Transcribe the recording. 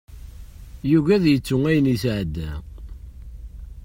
Yugi ad yettu ayen yesɛedda.